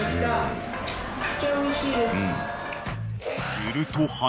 ［すると］